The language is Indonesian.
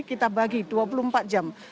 kita bagi dua puluh empat jam